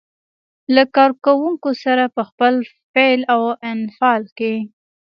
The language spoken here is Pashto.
له کار کوونکو سره په خپل فعل او انفعال کې.